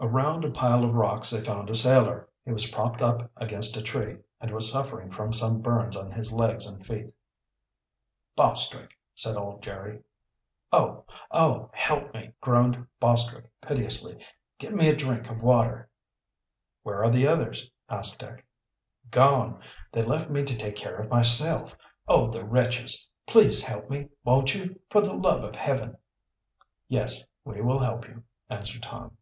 Around a pile of rocks they found a sailor. He was propped up against a tree, and was suffering from some burns on his legs and feet. "Bostwick!" said old Jerry. "Oh! oh! Help me!" groaned Bostwick piteously. "Give me a drink of water!" "Where are the others?" asked Dick. "Gone! They left me to take care of myself. Oh, the wretches! Please help me; won't you, for the love of Heaven!" "Yes, we will help you," answered Tom.